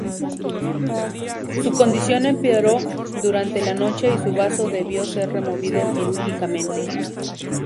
Su condición empeoró durante la noche y su bazo debió ser removido quirúrgicamente.